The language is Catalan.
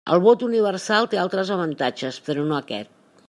El vot universal té altres avantatges, però no aquest.